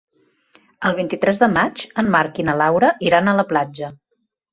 El vint-i-tres de maig en Marc i na Laura iran a la platja.